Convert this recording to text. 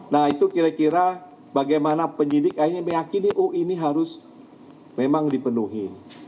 nah itu kira kira bagaimana penyidik akhirnya meyakini oh ini harus memang dipenuhi